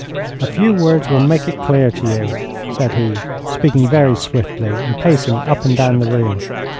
'A few words will make it clear to you,' said he, speaking very swiftly and pacing up and down the room.